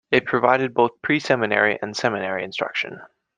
It provided both pre-seminary and seminary instruction.